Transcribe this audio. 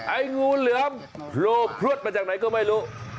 ไอ้งูเหลือมโผล่พลวดมาจากไหนก็ไม่รู้